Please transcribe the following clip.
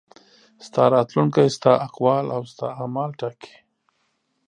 ستا راتلونکی ستا اقوال او ستا اعمال ټاکي.